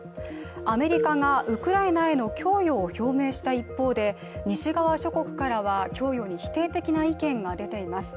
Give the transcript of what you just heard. アメリカがウクライナへの供与を表明した一方で西側諸国からは供与に否定的な意見が出ています。